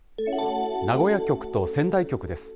名古屋局と仙台局です。